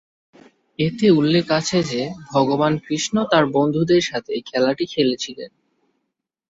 এতে উল্লেখ আছে যে ভগবান কৃষ্ণ তাঁর বন্ধুদের সাথে খেলাটি খেলেছিলেন।